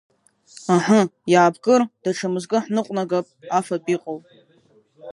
Аҳы, иаапкыр, даҽа мызкы ҳныҟәнагап афатә иҟоу.